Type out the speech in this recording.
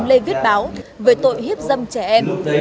lê viết báo về tội hiếp dâm trẻ em